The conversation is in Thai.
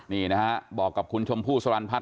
นี่นะฮะบอกกับคุณชมพู่สรรพัฒ